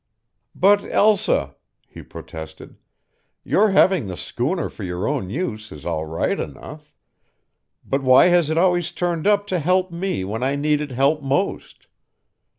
"But, Elsa," he protested, "your having the schooner for your own use is all right enough; but why has it always turned up to help me when I needed help most?